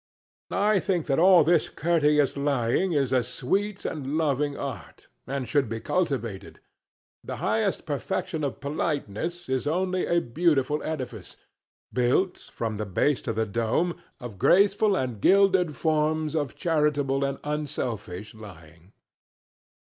I think that all this courteous lying is a sweet and loving art, and should be cultivated. The highest perfection of politeness is only a beautiful edifice, built, from the base to the dome, of graceful and gilded forms of charitable and unselfish lying.